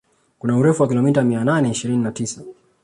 Kuna urefu wa kilomita mia nane ishirini na tisa